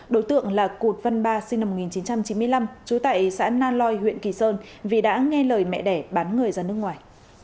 đối tượng là cụt văn ba sinh năm một nghìn chín trăm chín mươi năm trú tại xã na loi huyện kỳ sơn vì đã nghe lời mẹ đẻ bán người ra nước ngoài